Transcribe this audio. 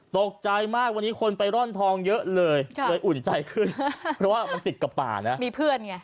ตกใจมากวันนี้คนไปร่อนทองเยอะเลยเลยอุ่นใจขึ้นเพราะว่ามันติดกับป่านะมีเพื่อนไง